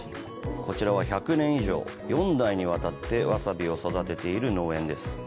こちらは１００年以上、４代にわたってわさびを育てている農園です。